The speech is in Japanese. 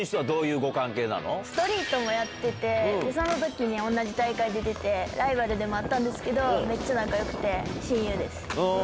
ストリートもやっててその時に同じ大会に出てライバルでもあったんですけどめっちゃ仲良くて親友です。